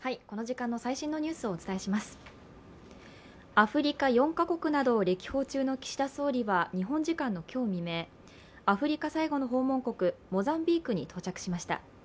アフリカ４か国などを歴訪中の岸田総理は日本時間の今日未明、アフリカ最後の訪問国、モザンビークに到着しました。